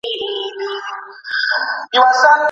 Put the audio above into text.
چا مي وویل په غوږ کي